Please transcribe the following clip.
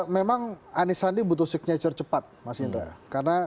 memang anisandi butuh signature cepat mas indra